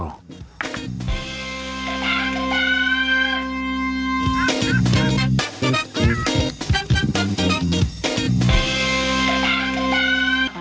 คุณพี่เชิญ